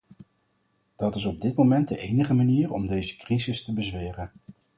Dat is op dit moment de enige manier om deze crisis te bezweren.